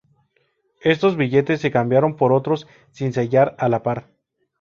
Estos billetes se cambiaron por otros sin sellar a la par.